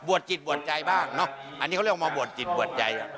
จิตบวชใจบ้างเนอะอันนี้เขาเรียกว่ามาบวชจิตบวชใจ